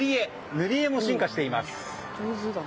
塗り絵も進化しています。